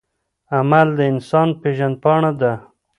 عمل د انسان پیژندپاڼه ده.